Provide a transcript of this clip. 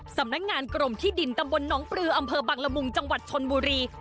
สำนักงานกรมที่ดินตำบลน้องปลืออำเภอบังละมุงจังหวัดชนบุรี